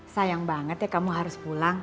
sayang banget ya kamu harus pulang